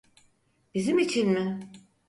Bizim için mi?